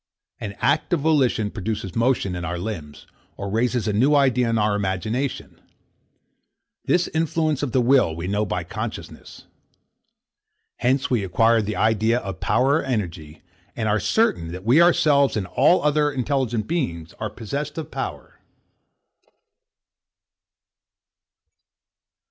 An act of volition produces motion in our limbs, or raises a new idea in our imagination. This influence of the will we know by consciousness. Hence we acquire the idea of power or energy; and are certain, that we ourselves and all other intelligent beings are possessed of power.